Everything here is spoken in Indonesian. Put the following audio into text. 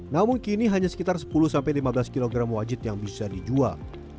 namun kini hanya sekitar sepuluh lima belas kg wajit yang bisa dijual